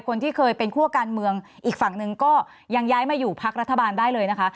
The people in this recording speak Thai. คนที่เคยเป็นคั่วการเมืองอีกฝั่งหนึ่งก็ยังย้ายมาอยู่พักรัฐบาลได้เลยนะคะ